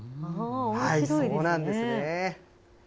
そうなんですね。